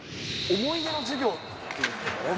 思い出の授業？